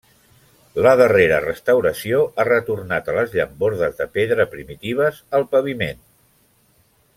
La darrera restauració ha retornat a les llambordes de pedra primitives al paviment.